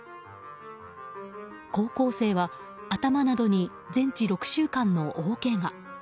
高校生は頭などに全治６週間の大けが。